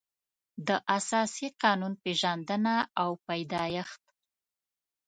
د اساسي قانون پېژندنه او پیدایښت